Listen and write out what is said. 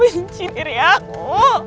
aku benci diri aku